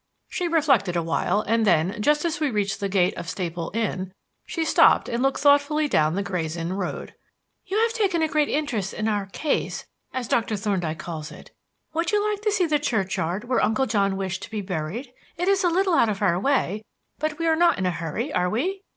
She reflected a while, and then, just as we reached the gate of Staple Inn, she stopped and looked thoughtfully down the Gray's Inn Road. "You have taken a great interest in our 'case' as Doctor Thorndyke calls it. Would you like to see the churchyard where Uncle John wished to be buried? It is a little out of our way, but we are not in a hurry, are we?"